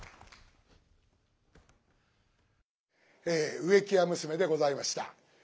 「植木屋娘」でございました。